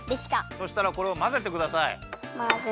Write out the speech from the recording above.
そしたらこれをまぜてください。